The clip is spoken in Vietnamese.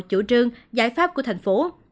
chủ trương giải pháp của thành phố